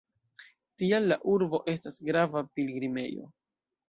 Tial la urbo estas grava pilgrimejo.